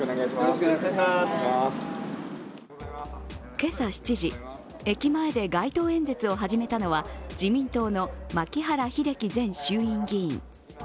今朝７時、駅前で街頭演説を始めたのは自民党の牧原秀樹前衆議院議員。